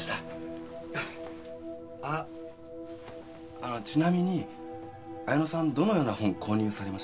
あのちなみに綾野さんどのような本を購入されましたか？